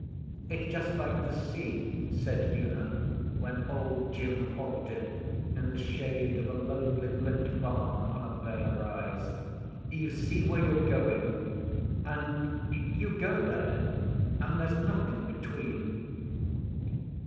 'It's Just like the sea,' said Una, when Old Jim halted in the shade of a lonely flint barn on a bare rise. 'You see where you're going, and you go there, and there's nothing between.